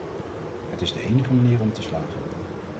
Het is de enige manier om te slagen.